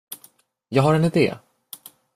Jag har en idé.